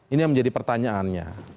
ini yang menjadi pertanyaannya